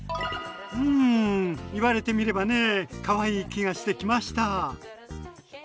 うん言われてみればねかわいい気がしてきました！